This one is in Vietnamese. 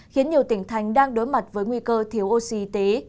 khiến nhiều tỉnh thành đang đối mặt với nguy cơ thiếu oxy y